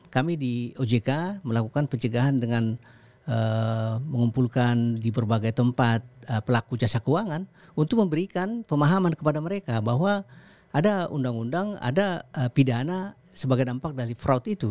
kami di ojk melakukan pencegahan dengan mengumpulkan di berbagai tempat pelaku jasa keuangan untuk memberikan pemahaman kepada mereka bahwa ada undang undang ada pidana sebagai dampak dari fraud itu